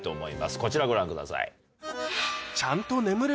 こちらご覧ください。